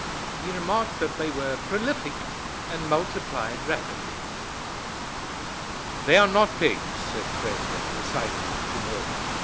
He remarked that they were prolific and multiplied rapidly. "They are not pigs," said the president, decidedly, to Morgan.